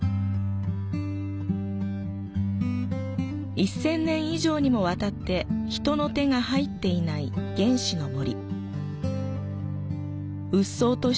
一千年以上にもわたって人の手が入っていない原始の森。